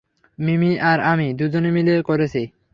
মিমি আর আমি দুজনে মিলে করেছি।